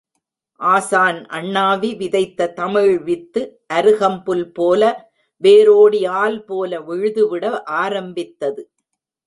ஆசான் அண்ணாவி விதைத்த தமிழ் வித்து அருகம்புல்போல வேரோடி ஆல் போல விழுது விட ஆரம்பித்தது.